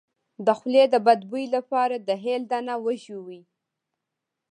د خولې د بد بوی لپاره د هل دانه وژويئ